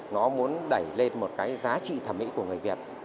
nó muốn đẩy lên một cái giá trị thẩm mỹ của người việt